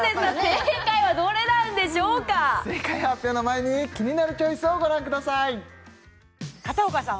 正解はどれなんでしょうか正解発表の前にキニナルチョイスをご覧ください片岡さん